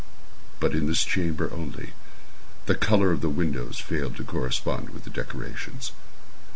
But in this chamber only, the color of the windows failed to correspond with the decorations.